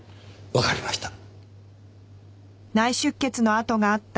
わかりました。